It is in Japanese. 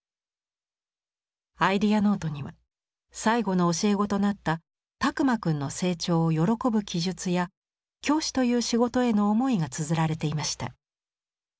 アイデアノートには最後の教え子となった拓万くんの成長を喜ぶ記述や教師という仕事への思いがつづられていました。